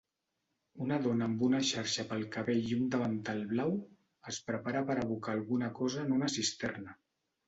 Una dona amb una xarxa pel cabell i un davantal blau es prepara per abocar alguna cosa en una cisterna.